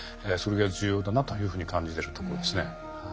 それが重要だなというふうに感じられるところですね。